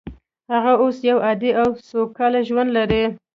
هغه اوس یو عادي او سوکاله ژوند لري